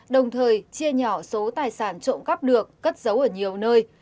đồng thời chia nhỏ số tài sản trộm cắp được cất giấu ở nhiều nơi